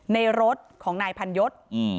ในรถของนายพันยศ